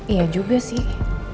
iya juga sih